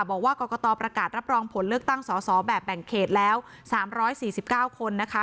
บอกว่ากรกตประกาศรับรองผลเลือกตั้งสอสอแบบแบ่งเขตแล้ว๓๔๙คนนะคะ